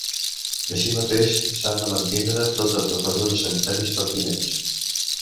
Així mateix, s’han de mantindre totes les mesures sanitàries pertinents.